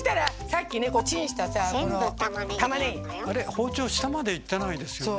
包丁下までいってないですよね。